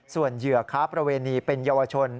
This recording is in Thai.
ส่วนเหยื่อค้าประเวณีเป็นเยาวชน